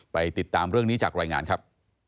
ติดตามเรื่องนี้จากรายงานครับ